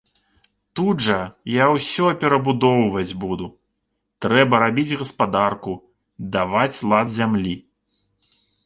Тут жа я ўсё перабудоўваць буду, трэба рабіць гаспадарку, даваць лад зямлі.